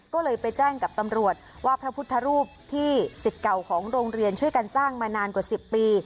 ก็เลยไปแจ้งกับตำรวจว่าพระพุทธรูปที่สิทธิ์เก่าของโรงเรียนช่วยกันสร้างมานานกว่า๑๐ปี